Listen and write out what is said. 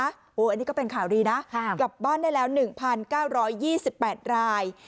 อันนี้ก็เป็นข่าวดีนะกลับบ้านได้แล้ว๑๙๒๘ราย